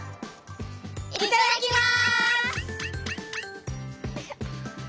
いただきます！